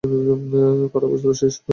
কটা বাজল শ্রীশবাবু?